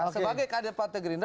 sebagai kadir partai gerindra